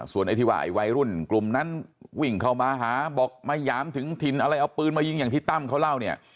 ไอ้ที่ว่าไอ้วัยรุ่นกลุ่มนั้นวิ่งเข้ามาหาบอกมาหยามถึงถิ่นอะไรเอาปืนมายิงอย่างที่ตั้มเขาเล่าเนี่ย